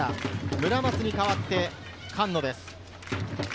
村松に代わって菅野です。